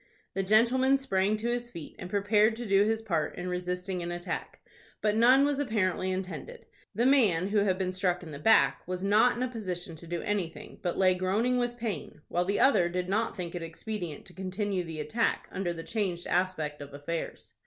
The gentleman sprang to his feet, and prepared to do his part in resisting an attack; but none was apparently intended. The man, who had been struck in the back, was not in a position to do anything, but lay groaning with pain, while the other did not think it expedient to continue the attack under the changed aspect of affairs.